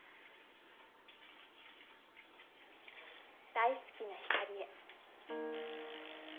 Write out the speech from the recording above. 大好きなひかりへ。